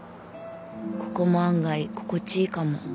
ここも案外心地いいかも」